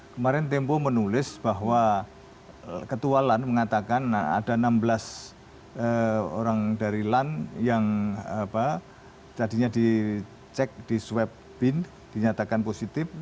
kemarin tempo menulis bahwa ketua lan mengatakan ada enam belas orang dari lan yang tadinya dicek di swab bin dinyatakan positif